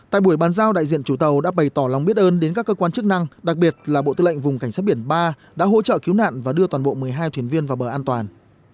tại buổi bàn giao đại diện chủ tàu đã bày tỏ lòng biết ơn đến các cơ quan chức năng đặc biệt là bộ tư lệnh vùng cảnh sát biển ba đã hỗ trợ cứu nạn và đưa toàn bộ một mươi hai thuyền viên vào bờ an toàn